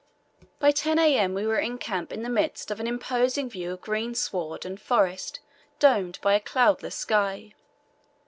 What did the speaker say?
By 10 A.M. we were in camp in the midst of an imposing view of green sward and forest domed by a cloudless sky.